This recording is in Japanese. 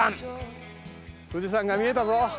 富士山が見えたぞ。